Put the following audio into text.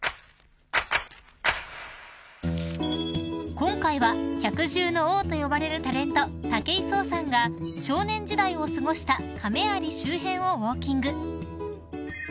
［今回は百獣の王と呼ばれるタレント武井壮さんが少年時代を過ごした亀有周辺をウオーキング］